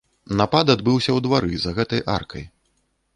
Напад адбыўся ў двары за гэтай аркай.